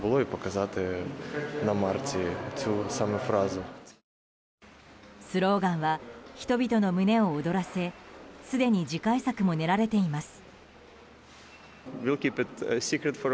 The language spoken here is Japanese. スローガンは人々の胸を躍らせすでに次回作も練られています。